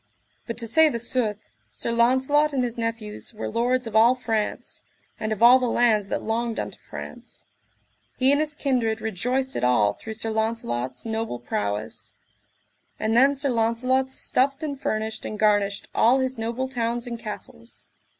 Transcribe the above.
But to say the sooth, Sir Launcelot and his nephews were lords of all France, and of all the lands that longed unto France; he and his kindred rejoiced it all through Sir Launcelot's noble prowess. And then Sir Launcelot stuffed and furnished and garnished all his noble towns and castles.